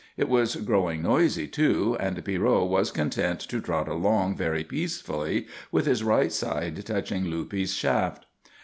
It was growing noisy, too, and Pierrot was content to trot along very peacefully with his right side touching Luppe's shaft.